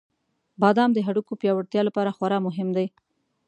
• بادام د هډوکو پیاوړتیا لپاره خورا مهم دی.